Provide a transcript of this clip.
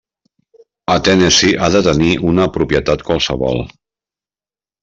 A Tennessee, ha de tenir una propietat qualsevol.